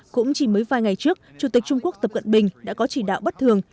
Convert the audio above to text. cũng chỉ mới vài ngày trước chủ tịch trung quốc tập cận bình đã có chỉ đạo bất thường